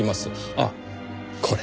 あっこれ。